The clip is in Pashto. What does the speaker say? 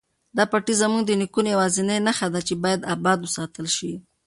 دا پټی زموږ د نیکونو یوازینۍ نښه ده چې باید اباد وساتل شي.